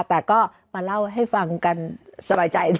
แต่ก็มาเล่าให้ฟังกันสบายใจ